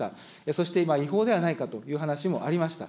そして今、違法ではないかという話もありました。